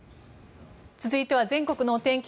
続いては全国のお天気